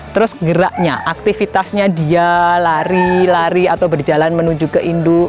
terus geraknya aktivitasnya dia lari lari atau berjalan menuju ke induk